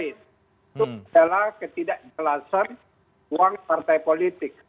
itu adalah ketidakjelasan uang partai politik